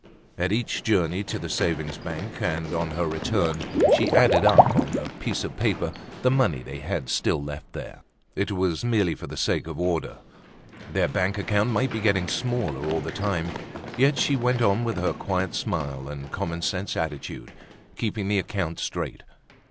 At each journey to the savings bank, on her return home, she added up on a piece of paper the money they had still left there. It was merely for the sake of order. Their bank account might be getting smaller all the time, yet she went on with her quiet smile and common sense attitude, keeping the account straight.